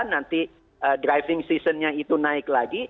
nanti driving seasonnya itu naik lagi